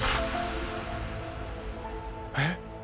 えっ！？